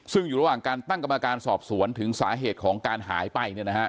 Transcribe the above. ซึ่งอยู่ระหว่างการตั้งกรรมการสอบสวนถึงสาเหตุของการหายไป